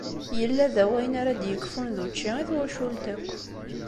Yella da wayen ara d-yekfun d učči i twacult akk.